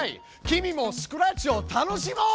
君もスクラッチを楽しもう！